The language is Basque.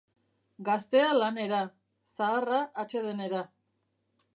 Gaztea lanera, zaharra atsedenera.